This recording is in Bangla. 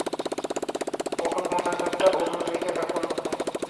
ওর মনোযোগটা অন্য দিকে রাখুন, ওকে?